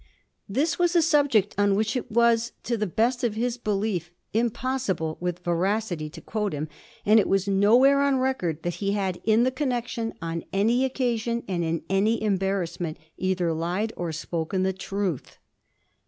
This was a subject on which it was, to the best of his belief, impossible with veracity to quote him, and it was nowhere on record that he had, in the connexion, on any occasion and in any embarrassment, either lied or spoken the truth.